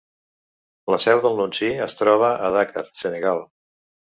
La seu del nunci es troba a Dakar, Senegal.